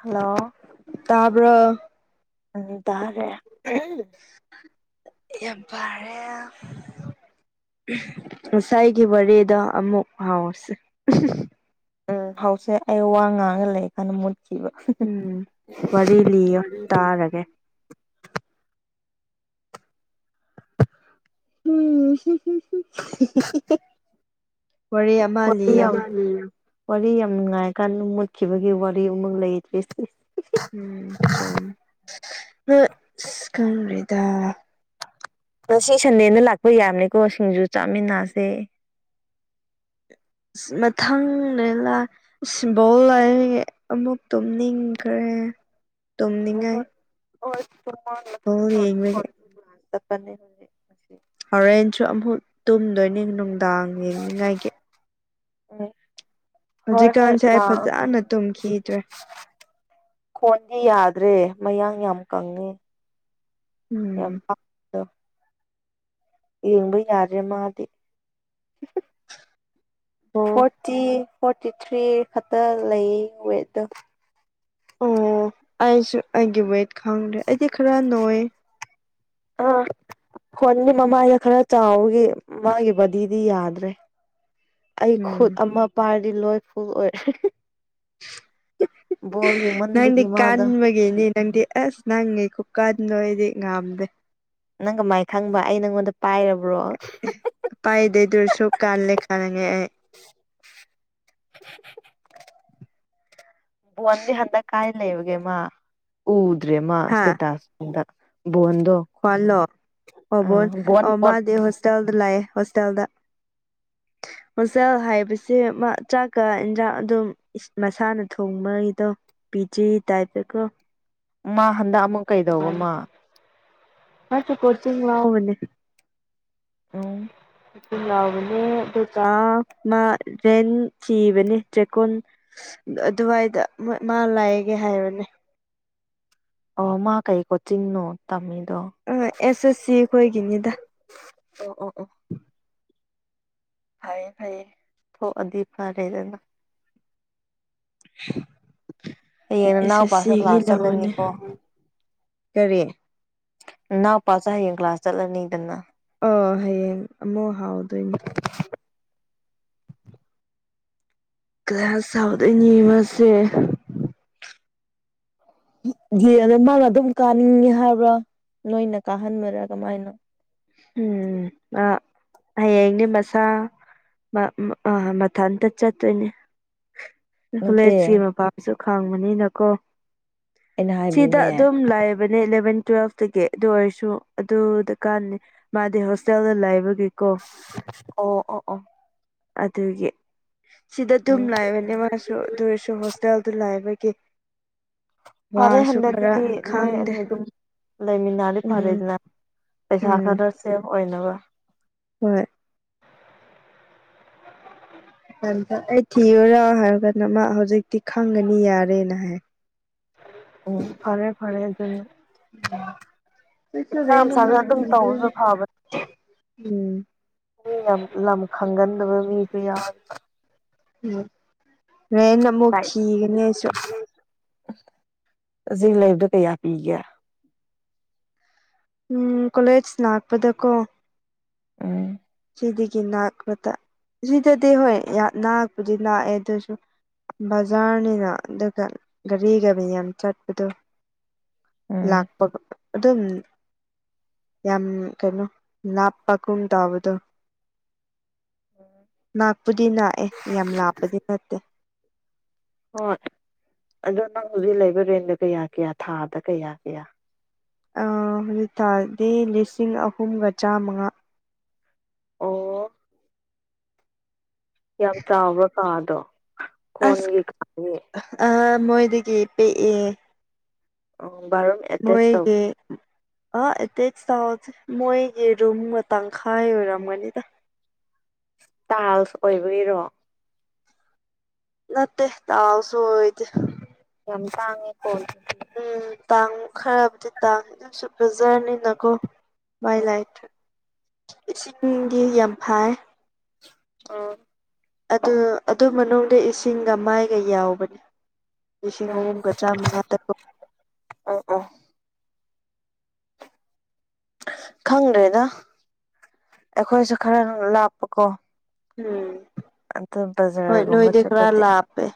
hello ꯇꯥꯕ꯭ꯔꯣ ꯑ ꯇꯥꯔꯦ ꯑꯍꯝ ꯌꯥꯝ ꯐꯔꯦ ꯉꯁꯥꯏꯒꯤ ꯋꯥꯔꯤꯗꯣ ꯑꯃꯨꯛ ꯍꯥꯎꯁꯤ ꯎꯝ ꯍꯥꯎꯁꯦ ꯑꯩ ꯋꯥ ꯉꯥꯡꯉꯒ ꯂꯩ ꯀꯥꯟꯗ ꯃꯨ ꯎꯝ ꯋꯥꯔꯤ ꯂꯤꯌꯣ ꯇꯥꯔꯒꯦ [unintelligible] ꯎꯝ [unintelligible] [unintelligible] ꯋꯥꯔꯤ ꯑꯃ ꯂꯤꯌꯣ ꯋꯥꯔꯤ ꯌꯥꯝ ꯅꯨꯡꯉꯥꯏ ꯀꯥꯟꯗ ꯃꯨꯠꯈꯤꯕꯒꯤ ꯋꯥꯔꯤ ꯑꯃꯨꯛ ꯂꯩꯔꯤ ꯎꯝ ꯆꯣ ꯑ ꯈꯪꯗ꯭ꯔꯦꯗ ꯑꯗꯣ ꯁꯤ ꯁꯟꯗꯦꯅ ꯂꯥꯛꯄ ꯌꯥꯕꯅꯤꯀꯣ ꯁꯤꯡꯖꯨ ꯆꯥꯃꯤꯟꯅꯁꯦ ꯃꯊꯪꯅꯦ ꯁꯤꯝꯕꯜ ꯂꯥꯏ ꯑꯃꯨꯛ ꯇꯨꯝ ꯅꯤꯡꯈ꯭ꯔꯦ [inaudible] ꯇꯨꯝꯅꯤꯡꯉꯥꯏ ꯍꯣꯏ ꯕꯣꯜ ꯌꯦꯡꯕꯒꯤ [unintelligible] ꯍꯣꯔꯦꯟꯁꯨ ꯑꯃꯨꯛ ꯇꯨꯝꯗꯣꯏꯅꯤ ꯅꯨꯡꯗꯥꯡ ꯌꯦꯡꯅꯤꯡꯉꯥꯏꯒꯤ ꯎꯝ ꯍꯣꯏ ꯍꯣꯏ ꯍꯧꯖꯤꯛꯀꯥꯟꯁꯦ ꯑꯩ ꯂꯥꯛꯑꯣ ꯐꯖꯅ ꯇꯨꯝꯈꯤꯗ꯭ꯔꯦ ꯀꯣꯣꯟꯖ ꯌꯥꯗ꯭ꯔꯦ ꯃꯌꯥꯡ ꯌꯥꯝ ꯀꯪꯉꯦ ꯎꯝ ꯌꯥꯝ ꯄꯥꯗꯣ ꯌꯦꯡꯕ ꯌꯥꯗ꯭ꯔꯦ ꯃꯥꯗꯤ ꯕꯣꯜ ꯐꯣꯔꯇꯤ ꯐꯣꯔꯇꯤ ꯊ꯭ꯔꯤ ꯈꯛꯇ ꯂꯩ ꯋꯦꯠꯇꯠꯇꯣ ꯑꯣ ꯑꯩꯁꯨ ꯑꯩꯒꯤ ꯋꯦꯠ ꯈꯪꯗ꯭ꯔꯦ ꯑꯩꯗꯤ ꯈꯔ ꯅꯣꯏ ꯑꯥ ꯍꯣꯟꯒꯤ ꯃꯃꯥꯏꯗ ꯈꯔ ꯆꯥꯎꯈꯤ ꯃꯥꯒꯤ ꯕꯗꯤꯗꯤ ꯌꯥꯗ꯭ꯔꯦ ꯑꯩ ꯎꯝ ꯈꯨꯠ ꯑꯃ ꯄꯥꯔꯗꯤ ꯂꯣꯏ ꯐꯨꯜ ꯑꯣꯏꯔꯦ ꯕꯣꯜ ꯅꯪꯗꯤ ꯌꯦꯡꯃꯟꯕꯒꯤ ꯃꯥꯗꯣ ꯀꯟꯕꯒꯤꯅꯤ ꯅꯪꯗꯤ ꯑꯁ ꯅꯪꯉ ꯀꯨꯞꯀꯥꯗꯅꯣ ꯑꯩꯗꯤ ꯉꯥꯝꯗꯦ ꯅꯪꯒ ꯃꯥꯏ ꯈꯪꯕ ꯑꯩ ꯅꯪꯉꯣꯟꯗ ꯄꯥꯏꯔꯕ ꯄꯥꯏꯗꯩꯗꯨꯔꯁꯨ ꯀꯥꯜꯂꯦ ꯈꯥꯅꯉꯦ ꯑꯩ [unintelligible] ꯋꯥꯟꯦ ꯍꯟꯗ ꯀꯥꯏ ꯂꯩ ꯏꯒꯦꯃ ꯎꯎꯗ꯭ꯔꯦꯃ ꯁꯇꯦꯇꯥꯥꯁ ꯀꯋꯥꯜꯂꯣ ꯑ ꯍꯕꯣꯟ ꯕꯣꯟ ꯑ ꯕꯣꯟ ꯃꯥꯗꯤ ꯍꯣꯁꯇꯦꯜꯗ ꯂꯥꯛꯑꯦ ꯍꯣꯁꯇꯦꯜꯗ ꯎꯝ ꯃꯆꯦꯜ ꯍꯥꯏꯕꯁꯦ ꯆꯥꯛꯀ ꯏꯟꯖꯥꯡ ꯑꯗꯨꯝ ꯃꯁꯥꯅ ꯊꯣꯡꯕꯒꯤꯗꯣ ꯄꯤꯖꯤꯦ ꯇꯥꯏꯕꯒꯣ ꯃꯥ ꯍꯟꯗꯛ ꯑꯃꯨꯛ ꯀꯩꯗꯧꯕ ꯃꯥ ꯃꯁꯨ ꯀꯆꯎꯅꯤ ꯑ ꯂꯥꯎꯕꯅꯦ ꯑꯗꯨꯒ ꯃꯥ ꯔꯦꯟ ꯆꯤꯕꯅꯦ ꯆꯦꯛꯀꯨꯣꯟ ꯑꯗꯨꯋꯥꯏꯗ ꯃꯥ ꯂꯥꯛꯑꯒꯦ ꯍꯥꯏꯕꯅꯦ ꯑꯣ ꯃꯥ ꯀꯩꯀꯣ ꯆꯤꯡꯅꯣ ꯇꯝꯃꯤ ꯑ ꯑꯦꯁ ꯑꯦꯁ ꯁꯤ ꯑꯩꯈꯣꯏꯒꯤꯅꯤꯗ ꯑꯣ ꯑꯣ ꯑꯣ ꯐꯌꯦ ꯐꯥꯏ ꯊ ꯑꯗꯤ ꯐꯥ ꯂꯩꯦꯗꯅ [unintelligible] ꯌꯦꯅꯅ ꯑꯦꯁ ꯑꯦꯁ ꯄꯥꯁ ꯁꯤꯒꯤ ꯀ꯭ꯂꯥꯁ ꯂꯧꯕꯅꯦ ꯂꯩꯅꯤꯀꯣ ꯀꯔꯤ ꯏꯅꯥꯎꯄꯥꯁ ꯍꯌꯦꯡ ꯀ꯭ꯂꯥꯁ ꯆꯠꯂꯅꯤꯗꯅ ꯑ ꯍꯌꯦꯡ ꯑꯃꯨꯛ ꯍꯥꯎꯗꯣꯏꯅꯤ ꯀ ꯁꯥꯎꯗ ꯑꯦꯅꯤꯕꯁꯦ ꯌꯦ ꯑꯗ ꯃꯥꯅ ꯑꯗꯨꯝ ꯀꯥꯅꯤꯡꯉꯦ ꯍꯥꯏꯕ꯭ꯔꯥ ꯅꯣꯏꯅ ꯀꯥꯍꯟꯃꯔ ꯀꯃꯥꯏꯅ ꯎꯝ ꯑ ꯍꯌꯦꯡꯅꯦ ꯃꯁꯥ ꯑ ꯃꯊ ꯇꯠ ꯆ ꯇꯅꯦ ꯀꯣꯂꯦꯖꯀꯤ ꯅꯠꯇꯦ ꯃꯄꯥꯝꯁꯨ ꯈꯥꯡꯕꯅꯤꯅꯀꯣ ꯑꯩꯅ ꯆꯗꯥꯛ ꯍꯥꯏꯕꯗꯤꯅꯦ ꯑꯗꯨꯝ ꯂꯥꯏꯕꯅꯦꯂꯕꯦꯟ ꯇꯨꯋꯦꯜꯐꯇꯒꯤ ꯑꯗꯨ ꯑꯣꯏꯔꯁꯨ ꯑꯗꯨꯗ ꯀꯥꯟ ꯃꯥꯗꯤ ꯍꯣꯁꯇꯦꯜꯗ ꯂꯩꯕꯒꯤ ꯑꯣ ꯑꯣ ꯑꯣ ꯑꯗꯨꯒꯤ ꯁꯤꯗ ꯑꯗꯨꯝ ꯎꯝ ꯂꯥꯛꯕꯅꯦ ꯃꯥꯁꯨ ꯑꯗꯨꯔꯁꯨ ꯍꯣꯁꯇꯦꯜꯗꯨ ꯂꯥꯛꯕꯒꯤ ꯐꯔꯦ ꯋꯥꯁꯨ ꯍꯟꯗꯗꯤ ꯈꯔ ꯅꯣꯏ ꯑꯅꯤ ꯈꯪꯗꯦ ꯑꯗꯨꯝ ꯂꯩꯃꯤꯟꯅꯔꯤ ꯎꯝ ꯐꯔꯦꯗꯅ ꯄꯩꯁꯥ ꯎꯝ ꯈꯔ ꯁꯦꯐ ꯑꯣꯏꯅꯕ ꯍꯣꯏ ꯝꯇ ꯑꯩ ꯊꯤꯌꯨꯔꯥ ꯍꯥꯏꯔꯀꯥꯟꯗ ꯃꯥ ꯍꯧꯖꯤꯛꯇꯤ ꯈꯪꯒꯅꯤ ꯌꯥꯔꯦꯅ ꯍꯥꯏ ꯑꯣ ꯐꯔꯦ ꯐꯔꯦ ꯑꯗꯨ ꯃꯁꯥꯅ ꯑꯗꯨꯝ ꯅ ꯇꯧꯕꯁꯨ ꯐꯕꯅꯤ ꯎꯝ ꯃꯤ ꯌꯥꯝ ꯂꯝ ꯈꯪꯒꯟꯗꯕ ꯃꯤꯁꯨ ꯌꯥꯔ ꯎꯝ ꯃꯟꯅ ꯑꯃꯨꯛꯈꯤꯒꯅꯦꯁꯨ ꯑꯁꯤ ꯂꯩꯕꯗꯣ ꯀꯌꯥ ꯄꯤꯒꯦ ꯎꯝ ꯀꯣꯂꯦꯖ ꯂꯥꯛꯄꯗꯀꯣ ꯎꯝ ꯁꯤꯗꯒꯤ ꯅꯥꯛꯄꯗ ꯁꯤꯗꯗꯤ ꯍꯣꯏ ꯅꯥꯛꯄꯨꯗꯤ ꯅꯥꯛꯑꯦ ꯑꯗꯨꯁꯨ ꯕꯖꯥꯔꯅꯤꯅ ꯑꯗꯨꯒ ꯒꯥꯔꯤꯒ ꯃꯤ ꯌꯥꯝ ꯆꯠꯄꯗꯨꯣ ꯎꯝ ꯂꯥꯛꯄꯒ ꯑꯗꯨꯝ ꯌꯥꯝ ꯀꯩꯅꯣ ꯂꯥꯞꯄꯒꯨꯝ ꯇꯥꯕꯗꯣ ꯥꯛꯄꯨꯗꯤ ꯥꯛꯑꯦ ꯌꯥꯝ ꯂꯥꯞꯄꯗꯤ ꯅꯠꯇꯦ ꯍꯣꯏ ꯑꯗꯣ ꯅꯪ ꯍꯧꯖꯤꯛ ꯂꯩꯕ ꯔꯦꯟꯗ ꯀꯌꯥ ꯀꯌꯥ ꯊꯥꯗ ꯀꯌꯥ ꯀꯌꯥ ꯍꯧꯖꯤꯇꯥꯥꯗꯤ ꯂꯤꯁꯤꯡ ꯑꯍꯨꯝꯒ ꯆꯥꯃꯉꯥ ꯑꯣ ꯌꯥꯝ ꯆꯥꯎꯕ ꯀꯥꯗꯣ ꯑꯁ ꯀꯣꯟꯒꯤ ꯀꯥꯒꯤ ꯑ ꯃꯣꯏꯗꯒꯤ ꯄꯤꯑ ꯑꯣ ꯕꯥꯠꯔꯨꯝ ꯑꯦꯇꯦꯁ ꯇꯧ ꯃꯣꯏꯒꯦ ꯑ ꯏꯇꯩ ꯊꯥꯎ ꯃꯣꯏꯒꯤ ꯔꯨꯝ ꯇꯪꯈꯥꯏ ꯑꯣꯏꯔꯝꯒꯅꯤꯗ ꯏꯁꯇꯥꯥꯏꯜꯁ ꯑꯣꯏꯕꯤꯔꯣ ꯅꯠꯇꯦ ꯇꯥꯎ ꯁꯣꯏꯗ ꯥꯡꯉꯣ ꯎꯝ ꯇꯥꯡ ꯈꯔꯕꯨꯗꯤ ꯇꯥꯡ ꯑꯗꯨꯝ ꯁꯠꯄ ꯖꯔꯅꯤꯅꯀꯣ ꯏ ꯎꯝ ꯂꯥꯏꯠ ꯏꯁꯤꯡꯗꯤ ꯌꯥꯝ ꯐꯥꯏ ꯑ ꯑꯗꯨ ꯑꯗꯨ ꯃꯅꯨꯡꯗ ꯏꯁꯤꯡꯒ ꯃꯥꯏꯒ ꯌꯥꯎꯕꯅꯦ ꯂꯤꯁꯤꯡ ꯑꯍꯨꯝꯒ ꯆꯥꯝꯃꯉꯥ ꯇꯔꯨꯛ ꯑꯥ ꯑꯥ ꯈꯪꯗ꯭ꯔꯦꯅ ꯑꯩꯈꯣꯏꯁꯨ ꯈꯔ ꯂꯥꯞꯄꯀꯣ ꯎꯝ ꯑꯗꯨ ꯍꯣꯏ ꯂꯣꯍꯤ ꯕꯖꯥꯔꯒꯨꯝꯕ ꯗꯦꯈꯔ ꯆꯠꯄꯗꯤ ꯂꯥꯄꯦ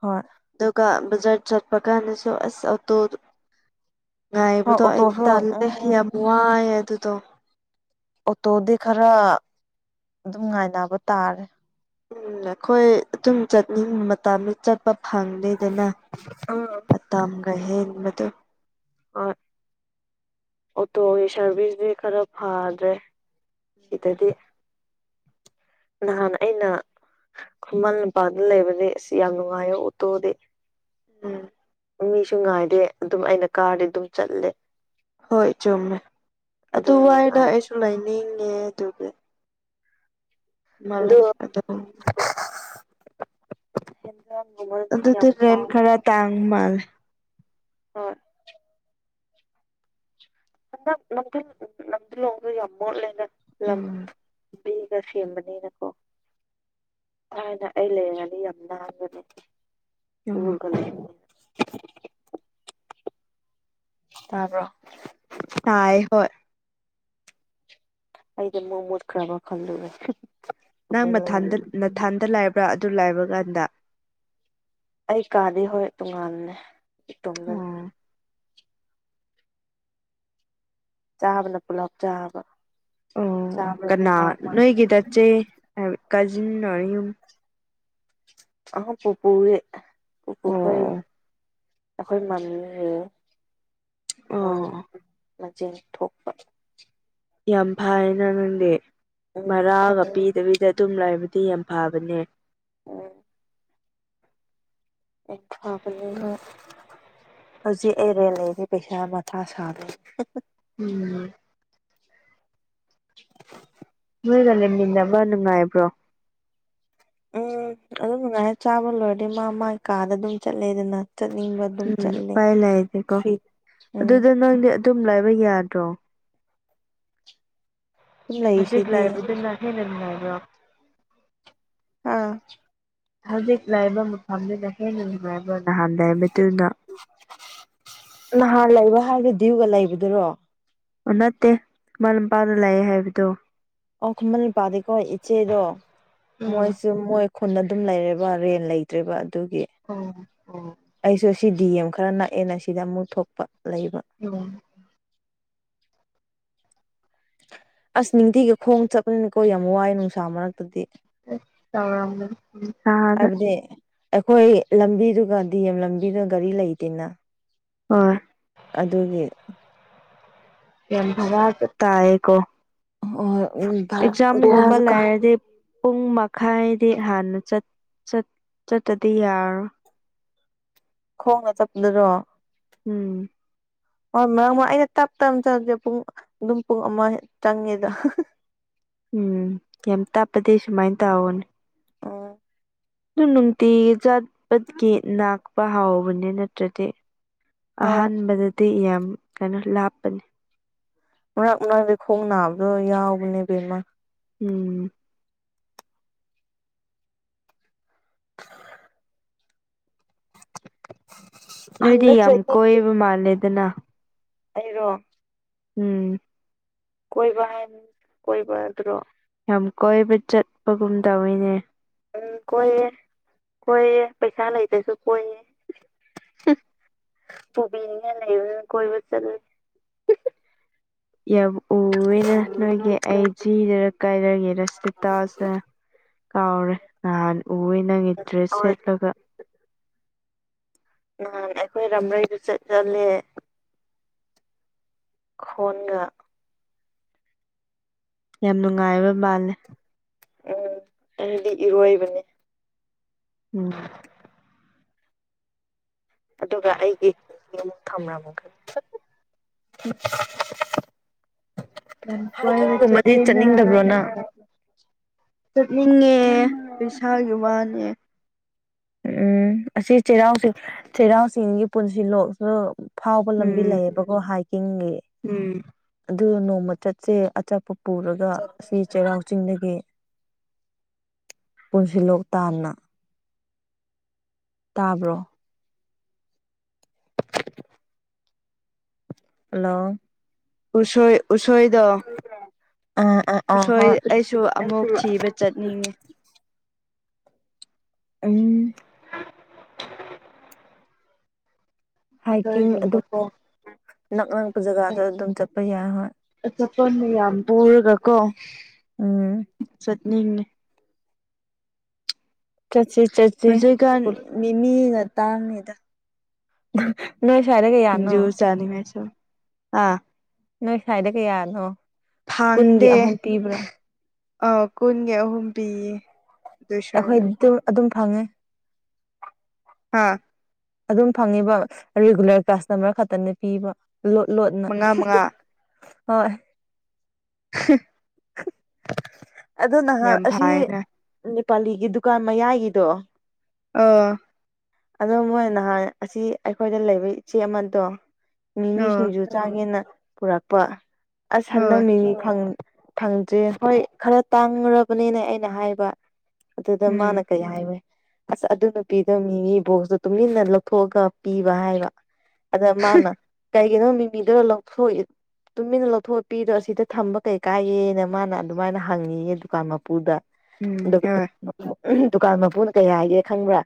ꯍꯣꯏ ꯗꯒꯥ ꯖꯔ ꯆꯠ ꯄꯀꯥꯅꯦꯁꯨꯣ ꯑꯁ ꯑꯇꯗ ꯍꯣꯏ ꯉꯥꯏꯕꯗꯣ ꯑꯩꯗꯤ ꯑꯣꯇꯣꯁꯨ ꯇꯜꯂꯦ ꯎꯝ ꯌꯥꯝ ꯋꯥꯏꯑꯦ ꯑꯗꯨꯗꯣ ꯑꯣꯇꯣꯗꯤ ꯈꯔ ꯑꯗꯨꯝ ꯉꯥꯏꯅꯕ ꯇꯥꯔꯦ ꯎꯝ ꯑꯩꯈꯣꯏ ꯑꯗꯨꯝ ꯆꯠꯅꯤꯡ ꯃꯇꯝ ꯆꯄ ꯐꯪꯗꯦꯗꯅ ꯎꯝ ꯃꯇꯝꯒ ꯍꯦꯟꯕꯗꯨ ꯑ ꯑꯣꯇꯣꯒꯤ ꯁꯥꯔꯚꯤꯁꯗꯤ ꯈꯔ ꯐꯗ꯭ꯔꯦ ꯁꯤꯗꯗꯤ ꯅꯍꯥꯟ ꯑꯩꯅ ꯈꯨꯃꯟ ꯂꯝꯄꯥꯗ ꯂꯩꯕꯗꯤ ꯑꯁ ꯌꯥꯝ ꯅꯨꯡꯉꯥꯏꯌ ꯑꯣꯇꯣꯗꯤ ꯎꯝ ꯃꯤꯁꯨ ꯉꯥꯏꯗꯦ ꯑꯗꯨꯝ ꯑꯩꯅ ꯀꯥꯔꯗꯤ ꯑꯗꯨꯝ ꯆꯠꯂꯦ ꯍꯣꯏ ꯆꯨꯝꯃꯦ ꯑꯗꯨꯝ ꯑꯗꯨꯋꯥꯏꯗ ꯅꯨꯡꯉꯥꯏ ꯑꯩꯁꯨ ꯂꯩꯅꯤꯡꯉꯦ ꯑꯗꯨꯒꯤ ꯑꯗꯣ [unintelligible] ꯍꯦꯟꯖꯥꯡꯒꯨꯝꯕꯗꯤ ꯑꯗꯨꯗꯨ ꯌꯥꯝ ꯔꯦꯟ ꯆꯥꯕ ꯈꯔ ꯇꯥꯡ ꯃꯥꯜꯂꯦ ꯍꯣꯏ ꯍꯟꯗꯛ ꯅꯝꯊꯨꯂꯣꯡ ꯗꯣ ꯌꯥꯝ ꯃꯣꯠꯄ ꯃꯥꯜꯂꯦ ꯎꯝ ꯃꯤꯒ ꯁꯦꯝꯕꯅꯤꯅꯀꯣ ꯊꯥꯏꯅ ꯑꯩ ꯂꯩꯔꯤꯉꯩꯗꯤ ꯌꯥꯝ ꯅꯥꯟꯕꯅꯦ ꯎꯝ ꯎꯒ ꯂꯩꯕꯅꯤꯅ ꯇꯥꯕꯔꯣ ꯇꯥꯏ ꯍꯣꯏ ꯑꯩꯗꯤ ꯃꯨꯛꯃꯨꯠ ꯈ꯭ꯔꯕ ꯈꯜꯂꯨꯔꯦ ꯅꯪ ꯇꯨꯃꯤꯟ ꯃꯊꯟꯗ ꯂꯩꯕ ꯅꯊꯥꯟꯗ ꯂꯩꯕ꯭ꯔꯥ ꯑꯗꯨ ꯂꯥꯏꯕ ꯀꯥꯟꯗ ꯑꯩ ꯀꯥꯗꯤ ꯍꯣꯏ ꯇꯣꯉꯥꯟꯜꯅꯦ ꯏꯇꯣꯝꯗꯅꯦ ꯑꯣ ꯆꯥꯕꯅ ꯄꯨꯂꯞ ꯆꯥꯕ ꯑꯣ ꯆꯥꯕꯅ ꯀꯅꯥ ꯃꯥ ꯃꯥꯒꯤ ꯅꯣꯏꯒꯤ ꯆꯠꯆꯦ ꯀꯖꯤꯟꯌꯨꯝ ꯑꯈꯣꯏ ꯄꯨꯄꯨ ꯒꯤ ꯄꯨꯄꯨ ꯈꯣꯏ ꯑꯣ ꯒꯤ ꯑꯩꯈꯣꯏ ꯃꯃꯤ ꯃꯣꯏ ꯑꯣ ꯃꯆꯦꯜ ꯊꯣꯛꯄ ꯌꯥꯝ ꯐꯥꯏꯅ ꯅꯪꯗꯤ ꯎꯝ ꯃꯔꯥꯒ ꯐꯪ ꯄꯤꯗꯕꯤꯗ ꯑꯗꯨꯝ ꯂꯕꯗ ꯑꯗꯨ ꯌꯥꯝ ꯐꯥꯕꯅꯦ ꯑꯣ ꯐꯥꯕꯅꯤꯅ ꯍꯧꯖꯤꯛ ꯑꯩꯔꯦꯜ ꯂꯩꯁꯤ ꯄꯩꯁꯥ ꯃꯊꯥ ꯁꯥꯗ ꯎꯝ [unintelligible] ꯒ ꯂꯩꯃꯤꯟ ꯅꯕ ꯅꯨꯡꯉꯥꯏꯕ꯭ꯔꯣ ꯎꯝ ꯑꯗꯨꯝ ꯅꯨꯡꯉꯥꯏꯅ ꯆꯥꯕ ꯂꯣꯏꯔꯗꯤ ꯃꯥ ꯃꯥꯒꯤ ꯀꯥꯗ ꯑꯗꯨꯝ ꯆꯠꯂꯦꯗꯅ ꯆꯠꯅꯤꯡꯕ ꯑꯗꯨꯝ ꯎꯝ ꯆꯠꯂꯦ ꯎꯄꯥꯏ ꯂꯥꯏꯇꯦꯀꯣ ꯐ꯭ꯔꯤ ꯎꯝ ꯑꯗꯨꯗ ꯑꯗꯨꯝ ꯅꯪꯗꯤ ꯑꯗꯨꯝ ꯂꯥꯏꯕ ꯌꯥꯗ꯭ꯔꯣ ꯍꯧꯖꯤꯛ ꯂꯩꯁꯤꯗꯤ ꯂꯩꯟꯗꯨꯅ ꯍꯦꯟꯅ ꯅꯨꯡꯉꯥꯏꯕꯔꯣ ꯑ ꯍꯧꯖꯤꯛ ꯂꯥꯏꯕ ꯃꯐꯝꯗꯨꯅ ꯍꯦꯟꯅ ꯅꯨꯡꯉꯥꯏꯕ ꯅꯍꯥꯥꯟ ꯂꯩꯕ ꯍꯥꯏꯒꯗꯤꯒ ꯂꯩꯕꯗꯨꯔꯣ ꯅꯠꯇꯦ ꯃꯔꯄꯥꯥꯡꯅ ꯂꯥꯛꯑꯦ ꯍꯥꯏꯕꯗꯣ ꯑꯣꯈ ꯃꯜ ꯄꯗꯀꯣ ꯏꯆꯦꯗꯣ ꯎꯝ ꯃꯣꯏꯁꯨ ꯃꯣꯏ ꯈꯨꯟ ꯑꯗꯨꯝ ꯂꯩꯔꯦꯕ ꯔꯦꯟ ꯂꯩꯇ꯭ꯔꯦꯕ ꯑꯗꯨꯒꯤ ꯑꯣ ꯑꯣ ꯑꯩꯁꯨ ꯁꯤ ꯗꯤ ꯑꯦꯝ ꯈꯔ ꯅꯛꯑꯦꯅ ꯁꯤꯗ ꯑꯃꯨꯛ ꯊꯣꯛꯄ ꯂꯩꯕ ꯎꯝ ꯑꯁ ꯅꯤꯡꯇꯤꯒꯤ ꯈꯣꯡ ꯆꯠꯄꯅꯤꯅꯤꯀꯣ ꯌꯥꯝ ꯋꯥꯏ ꯅꯨꯡꯁꯥ ꯃꯔꯛꯇꯗꯤ [unintelligible] ꯍꯥꯏꯕꯗꯤ ꯅꯨꯡꯁꯥꯗ ꯑꯩꯈꯣꯏ ꯂꯝꯕꯤꯗꯨꯒ ꯗꯤ ꯑꯦꯝ ꯂꯝꯕꯤꯗꯨ ꯒꯥꯔꯤ ꯂꯩꯇꯦꯅ ꯑ ꯑꯗꯨꯒꯤ ꯌꯥꯝ [unintelligible] ꯇꯥꯏꯀꯣ ꯑꯣ ꯑꯦꯛꯖꯥꯝꯒꯣꯝꯕ ꯂꯩꯔꯗꯤ ꯄꯨꯡ ꯃꯥ ꯈꯥꯏꯗꯤ ꯍꯥꯟꯅ ꯆꯠ ꯆꯠꯇꯗꯤ ꯌꯥꯔꯣꯏ ꯈꯣꯡꯉ ꯆꯞꯂꯔꯣ ꯎꯝ ꯍꯣꯏ ꯃꯔꯥꯡ ꯑꯩꯅ ꯇꯞ ꯇꯞꯅ ꯆꯪꯂꯁꯦ ꯄꯨꯡ ꯑꯗꯨꯝ ꯄꯨꯡ ꯑꯃ ꯆꯪꯉꯦꯗ ꯎꯝ ꯌꯥꯝ ꯇꯥꯄꯗꯤ ꯁꯨꯃꯥꯏꯅ ꯇꯥꯑꯣꯣꯅꯦ ꯑ ꯑꯗꯨ ꯅꯨꯡꯇꯤꯒꯤ ꯖꯥꯠꯄꯠꯀꯤ ꯅꯥꯛꯄ ꯍꯥꯎꯕꯅꯦ ꯅꯠꯇ꯭ꯔꯗꯤ ꯍꯣꯏ ꯑꯍꯥꯟꯕꯗꯗꯤ ꯌꯥꯝ ꯀꯩꯅꯣ ꯂꯥꯞꯄꯅꯤ ꯉ ꯃꯔꯥꯡꯗꯤ ꯈꯣꯡ ꯅꯥꯕꯗꯣ ꯌꯥꯎꯕꯅꯦꯕꯦꯝꯃ ꯎꯝ ꯅꯣꯏꯗꯤ ꯍꯟꯗꯛ ꯌꯥꯝ ꯆꯍꯤ ꯀꯣꯏꯕ ꯃꯥꯜꯂꯦꯗꯅ ꯑꯩꯔꯣ ꯎꯝ ꯀꯣꯏꯕ ꯍꯥꯏ ꯀꯣꯏꯕ ꯑꯗꯨ꯭ꯔꯣ ꯌꯥꯝ ꯀꯣꯏꯕ ꯆꯠꯄꯒꯨꯝ ꯇꯧꯅꯤꯅꯦ ꯎꯝ ꯀꯣꯏꯌꯦ ꯀꯣꯏꯌꯦ ꯄꯩꯁꯥ ꯂꯩꯕꯁꯨ ꯀꯣꯏꯌꯦ [unintelligible] ꯕꯨꯕꯤꯅꯤ ꯂꯩ ꯀꯣꯏꯕꯨ ꯆꯜ ꯌꯥꯕꯨ ꯎꯦꯅꯦ ꯅꯣꯏꯒꯤ ꯑꯩ ꯖꯤꯗꯔ ꯀꯥꯏꯔꯒꯦꯔ ꯁꯤꯇꯥꯁꯦ ꯀꯥꯎꯔꯦ ꯅꯍꯥꯟ ꯎꯏꯦ ꯅꯪꯒꯤ ꯗ꯭ꯔꯦꯁ ꯍꯣꯏ ꯁꯦꯠꯂꯒ ꯅꯍꯥꯟ ꯑꯩꯈꯣꯏ ꯔꯝꯩꯗꯨ ꯆꯠ ꯆꯠꯂꯦ ꯈꯣꯟꯅ ꯌꯥꯝ ꯅꯨꯡꯉꯥꯏꯕ ꯃꯥꯜꯂꯦ ꯎꯝ ꯍꯥꯏꯗꯤ ꯏꯔꯣꯏꯕꯅꯦ ꯎꯝ ꯑꯗꯨꯒ ꯑꯩꯒꯤ ꯑꯃꯨꯛ ꯊꯝꯕ꯭ꯔ ꯑꯃꯨ ꯈ ꯎꯝ ꯌꯥꯝ ꯀꯣꯏꯅ ꯍꯥꯏꯀꯤꯡꯒꯨꯝꯕꯗꯤ ꯆꯠꯂꯤꯅ ꯆꯠꯅꯤꯡꯗꯕ꯭ꯔꯣ ꯅꯪ ꯆꯠꯅꯤꯡꯉꯦ ꯄꯩꯁꯥꯒꯤ ꯋꯥꯅꯦ ꯎꯝ ꯑꯁꯤ ꯆꯩꯔꯥꯎ ꯆꯩꯔꯥꯎꯁꯤꯡꯒꯤ ꯄꯨꯟꯁꯤ ꯂꯣꯛ ꯐꯥꯎꯕ ꯂꯝꯕꯤ ꯎꯝ ꯂꯩꯌꯦꯕꯀꯣ ꯍꯥꯏꯀꯤꯡꯒꯤ ꯎꯝ ꯑꯗꯨ ꯅꯣꯡꯃ ꯆꯠꯁꯦ ꯑꯆꯥꯄ ꯄꯨꯔꯒ ꯑꯁꯤ ꯆꯩꯔꯥꯎ ꯆꯤꯡꯗꯒꯤ ꯄꯨꯟꯁꯤꯂꯣꯛ ꯇꯥꯟꯅ ꯇꯥꯕ꯭ꯔꯣ ꯍꯂꯣ ꯎꯁꯣꯏ ꯎꯁꯣꯏꯗ ꯑꯥ ꯑꯥ ꯑꯥ ꯎꯁꯣꯏ ꯍꯣꯏ ꯑꯩꯁꯨ ꯑꯃꯨꯛ ꯊꯤꯕ ꯆꯠꯅꯤꯡꯉꯤ ꯎꯝ ꯍꯥꯏꯀꯤꯡ ꯑꯗꯨꯝ ꯎꯁꯣꯏꯒꯨꯝꯕꯀꯣ ꯅꯛ ꯅꯛꯄ ꯖꯒꯥꯗ ꯑꯗꯨꯝ ꯆꯠꯄ ꯌꯥꯏ ꯍꯣꯏ ꯑ ꯆꯄꯅꯦ ꯌꯥꯝ ꯄꯨꯔꯒ ꯀꯣ ꯎꯝ ꯆꯠꯅꯤꯡꯉ ꯀꯆ ꯍꯧꯖꯤꯛꯀꯥꯟ ꯃꯤꯃꯤꯅ ꯇꯥꯡꯉꯗ ꯅꯣꯏ ꯁ꯭ꯋꯥꯏꯗ ꯀꯩꯌꯥꯅꯣ ꯆꯥꯅꯤꯡꯉꯥꯏꯁꯨ ꯑꯥ ꯅꯣꯏ ꯁꯥꯏꯗ ꯀꯩꯌꯥꯅꯣ ꯐꯥꯡꯗꯦ ꯑ ꯀꯨꯟꯒꯤ ꯑꯍꯨꯝ ꯄꯤꯌꯦ ꯑꯗꯨ ꯑꯩꯈꯣꯏ ꯁ꯭ꯋꯥꯏꯗ ꯑꯗꯨꯝ ꯑꯗꯨꯝ ꯐꯪꯉꯦ ꯍꯥꯥ ꯑꯗꯨꯝ ꯐꯪꯉꯤꯕ ꯔꯤꯒꯨꯂꯔ ꯀꯁꯇꯃꯔ ꯈꯛꯇꯅ ꯄꯤꯕ ꯂꯣ ꯂꯣꯠꯅ ꯃꯉꯥ ꯃꯉꯥ ꯍꯣꯏ [unintelligible] ꯑꯗꯣ ꯅꯍꯥꯟ ꯌꯥꯝ ꯑꯁꯤ ꯐꯥꯏꯅ ꯅꯦꯄꯥꯂꯤꯒꯤ ꯗꯨꯀꯥꯟ ꯃꯌꯥꯏꯒꯤꯗꯣ ꯑꯥ ꯑꯗꯣ ꯃꯣꯏ ꯅꯍꯥꯟ ꯑꯁꯤ ꯑꯩꯈꯣꯏꯗ ꯂꯩꯕ ꯏꯆꯦ ꯑꯃꯗꯣ ꯑꯥ ꯃꯤꯅꯤꯁꯤꯡꯁꯨ ꯆꯥ ꯍꯦꯅ ꯄꯨꯔꯛꯄ ꯑꯁ ꯍꯟꯗꯛ ꯍꯣꯏ ꯃꯤꯅꯤꯪ ꯐꯪꯗ꯭ꯦ ꯍꯣꯏ ꯈꯔ ꯇꯥꯡꯈꯨꯕꯅꯤꯅ ꯑꯩꯅ ꯍꯥꯏꯕ ꯑꯗꯨꯗ ꯃꯥꯅ ꯎꯝ ꯀꯩ ꯍꯥꯏꯋꯦ ꯑꯁ ꯑꯗꯨ ꯅꯨꯄꯤꯗꯣ ꯃꯤꯒꯤ ꯕꯣꯛꯁꯇꯣ ꯇꯨꯃꯤꯟꯅ ꯂꯧꯊꯣꯛꯑꯒ ꯄꯤꯕ ꯍꯥꯏꯕ ꯑꯗ ꯃꯥꯅ ꯀꯩꯒꯤꯅꯣ ꯃꯤꯃꯤꯗꯨꯔ ꯂꯧꯊꯣꯛꯏ ꯇꯨꯃꯤꯟꯅ ꯂꯧꯊꯣꯛꯑꯄꯤꯗꯣ ꯑꯁꯤꯗ ꯊꯝꯕ ꯀꯩ ꯀꯥꯏꯌꯦꯦꯅ ꯃꯥꯅ ꯑꯗꯨꯃꯥꯏꯅ ꯍꯪꯉꯤꯌꯦ ꯗꯨꯀꯥꯟ ꯃꯄꯨꯗ ꯎꯝ ꯍꯣꯏ ꯎꯝ ꯗꯨꯀꯥꯟ ꯃꯄꯨꯅ ꯀꯩ ꯍꯥꯏꯒꯦ ꯈꯪꯕ꯭ꯔꯥ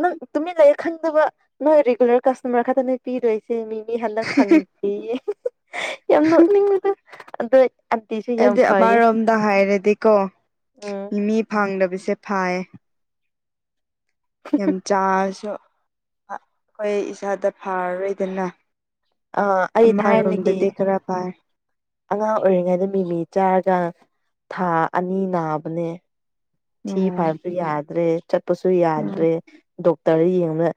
ꯅꯪ ꯇꯨꯃꯤꯠ ꯂꯩꯔꯦ ꯈꯪꯗꯕ ꯅꯣꯏ ꯔꯤꯒꯨꯂꯔ ꯀꯁꯇꯃꯔ ꯈꯛꯇꯅꯦꯣꯏ ꯄꯤꯗꯣꯏꯁꯦ ꯁꯤꯦ ꯃꯤ ꯃꯤ ꯍꯟꯗꯛ ꯐꯪꯗꯦ ꯌꯥꯝ ꯅꯣꯛꯅꯤꯡꯕꯗꯣ ꯑꯗ ꯑꯤ ꯁꯤ ꯌꯥꯝꯎ ꯃꯥꯔꯣꯝꯗ ꯍꯥꯏꯔꯗꯤꯀꯣ ꯎꯝ ꯃꯤ ꯃꯤ ꯐꯥꯡꯗꯕꯁꯦ ꯐꯌꯦ ꯌꯥꯝ ꯆꯥꯔꯁꯨ ꯑꯩꯈꯣꯏ ꯏꯁꯥꯗ ꯐꯔꯔꯣꯏꯗꯅ ꯑ ꯑꯩ ꯊꯥꯏꯅꯤꯒꯤ ꯑꯃꯔꯣꯝꯗꯗꯤ ꯈꯔ ꯐꯥꯏ ꯑꯉꯥꯡ ꯑꯣꯏꯔꯤꯉꯩꯗ ꯃꯤꯃꯤ ꯆꯥꯔꯒ ꯊꯥ ꯑꯅꯤ ꯅꯥꯕꯅꯦ ꯊꯤ ꯎꯝ ꯐꯥꯏꯕ ꯌꯥꯗ꯭ꯔꯦ ꯆꯠꯄꯁꯨ ꯎꯝ ꯌꯥꯗ꯭ꯔꯦ ꯗꯣꯛꯇꯔ ꯌꯦꯡꯕꯅ